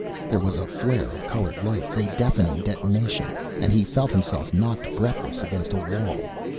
There was a flare of colored lights, a deafening detonation and he felt himself knocked breathless against a wall.